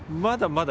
まだ。